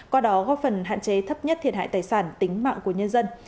qua đó góp phần hạn chế thấp nhất thiệt hại tài sản tính mạng của nhân dân